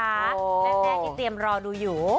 แม่ที่เตรียมรอดูอยู่